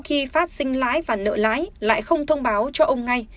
khi phát sinh lái và nợ lái lại không thông báo cho ông ngay